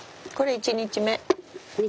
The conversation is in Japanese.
１日目。